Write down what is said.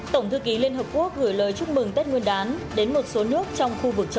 tổng thư ký liên hợp quốc gửi lời chúc mừng tết nguyên đán đến một số nước trong khu vực châu á